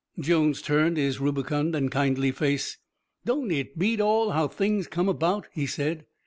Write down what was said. Jones turned his rubicund and kindly face. "Don't it beat all how things come about?" he said.